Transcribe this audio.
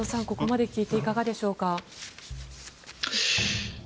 ここまで聞いていかがでしょうか。